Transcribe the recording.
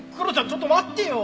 ちょっと待ってよ！